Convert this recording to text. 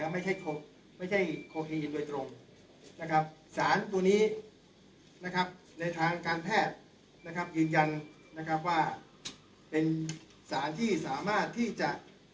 ไม่ใช่โคฮีนโดยตรงนะครับสารตัวนี้นะครับในทางการแพทย์นะครับยืนยันนะครับว่าเป็นสารที่สามารถที่จะ